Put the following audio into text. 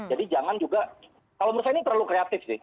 jangan juga kalau menurut saya ini terlalu kreatif sih